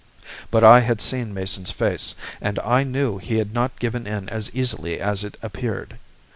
But I had seen Mason's face, and I knew he had not given in as easily as it appeared.